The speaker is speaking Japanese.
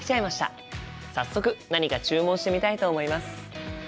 早速何か注文してみたいと思います。